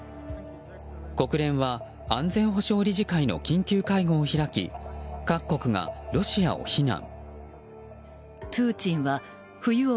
国連は安全保障理事会の緊急会合を開き各国がロシアを非難。